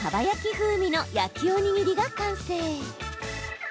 風味の焼きおにぎりが完成。